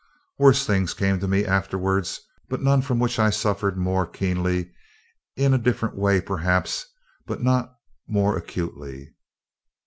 "Worse things came to me afterwards, but none from which I suffered more keenly in a different way, perhaps, but not more acutely.